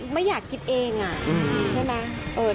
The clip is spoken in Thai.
ไม่อยากคิดเองใช่ไหม